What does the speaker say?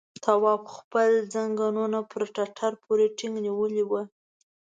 تواب خپل ځنګنونه پر ټټر پورې ټينګ نيولي وو.